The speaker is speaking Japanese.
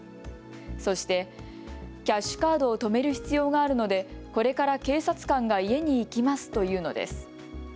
そしてキャッシュカードを止める必要があるのでこれから警察官が家に行きますと言うのです。